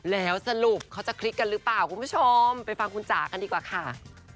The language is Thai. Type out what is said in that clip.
แล้วสรุปเขาจะคลิกกันหรือเปล่าคุณผู้ชมไปฟังคุณจ๋ากันดีกว่าค่ะ